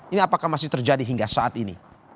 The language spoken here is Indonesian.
ini apakah masih terjadi hingga saat ini